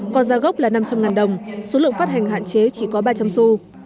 còn giá gốc là năm trăm linh đồng số lượng phát hành hạn chế chỉ có ba trăm linh su